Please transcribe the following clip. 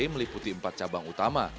meliputi empat cabang utama